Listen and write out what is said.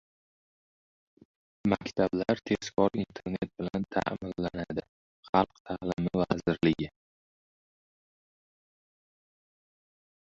Maktablar tezkor internet bilan ta’minlanadi – Xalq ta’limi vazirligi